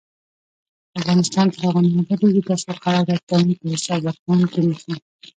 افغانستان تر هغو نه ابادیږي، ترڅو قرارداد کوونکي حساب ورکوونکي نشي.